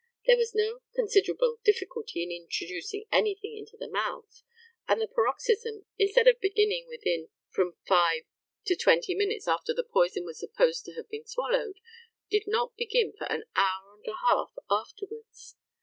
There was no "considerable difficulty in introducing anything into the mouth," and the paroxysm, instead of beginning within "from five to twenty minutes after the poison was supposed to have been swallowed" did not begin for an hour and a half afterwards.